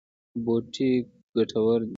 بوټي ګټور دي.